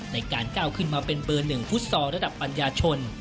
ในการก้าวขึ้นมาเป็นเบอร์๑ฟุตซอลระดับปัญญาชน